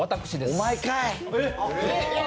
お前かい。